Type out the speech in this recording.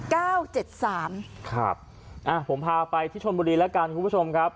เก้าเจ็ดสามครับอ่ะผมพาไปที่ชนบุรีแล้วกันคุณผู้ชมครับ